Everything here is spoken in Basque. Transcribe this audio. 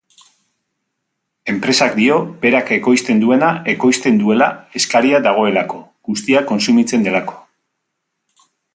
Enpresak dio berak ekoizten duena ekoizten duela eskaria dagoelako, guztia kontsumitzen delako.